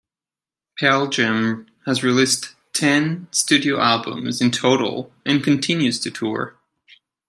Pearl Jam has released ten studio albums in total and continues to tour.